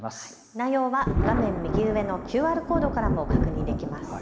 内容は画面右上のＱＲコードからも確認できます。